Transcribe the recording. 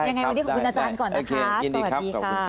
ยังไงวันนี้ขอบคุณอาจารย์ก่อนนะคะสวัสดีค่ะยังไงวันนี้ขอบคุณอาจารย์ก่อนนะคะ